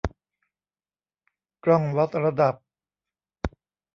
กล้องวัดระดับ